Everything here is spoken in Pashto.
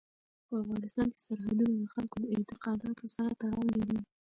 په افغانستان کې سرحدونه د خلکو د اعتقاداتو سره تړاو لري.